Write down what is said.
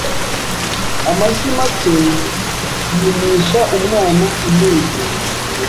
Amashyi make yimisha umwana impengeri